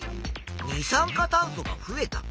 「二酸化炭素が増えた」。